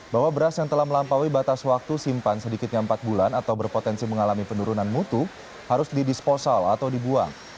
bahwa beras yang telah melampaui batas waktu simpan sedikitnya empat bulan atau berpotensi mengalami penurunan mutu harus didisposal atau dibuang